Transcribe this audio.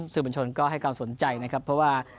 สื่อบัญชนก็ให้ความสนใจนะครับเพราะว่า